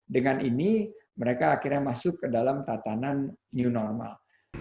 dengan ini mereka akhirnya masuk ke dalam tatanan new normal